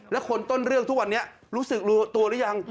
แล้วคนต้นเรื่องทุกวันนี้รู้สึกรู้ตัวหรือยัง